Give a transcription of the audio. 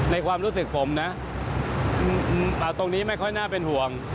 ความรู้สึกผมนะตรงนี้ไม่ค่อยน่าเป็นห่วง